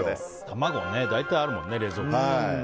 卵、大体あるもんね冷蔵庫に。